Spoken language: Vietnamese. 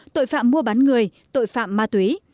tội phạm mua bán người tội phạm ma túy